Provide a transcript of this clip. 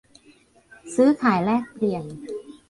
ซื้อขายแลกเปลี่ยน